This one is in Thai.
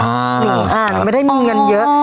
หนูไม่ได้มีเงินเยอะ